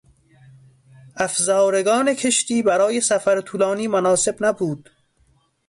افزارگان کشتی برای سفر طولانی مناسب نبود.